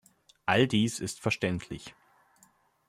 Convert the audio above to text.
All dies ist verständlich.